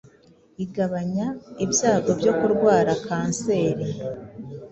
Igabanya ibyago byo kurwara kanseri